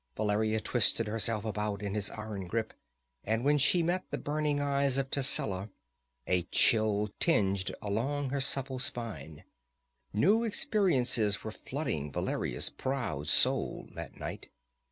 Valeria twisted herself about in his iron grip, and when she met the burning eyes of Tascela, a chill tingled along her supple spine. New experiences were flooding Valeria's proud soul that night.